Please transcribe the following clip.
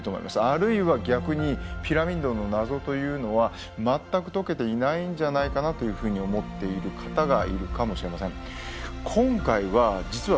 あるいは逆にピラミッドの謎というのは全く解けていないんじゃないかなというふうに思っている方がいるかもしれません。